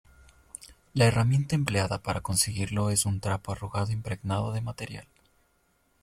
La herramienta empleada para conseguirlo es un trapo arrugado impregnado de material.